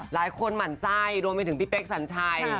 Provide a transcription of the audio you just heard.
หมั่นไส้รวมไปถึงพี่เป๊กสัญชัย